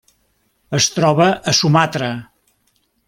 Es troba a Sumatra.